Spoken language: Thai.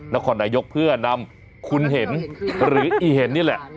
นครนายกเพื่อนำคุณเห็นหรืออีเห็นนี่แหละ